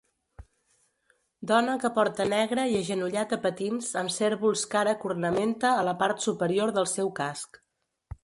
Dona que porta negre i agenollat a patins amb cérvols cara cornamenta a la part superior del seu casc.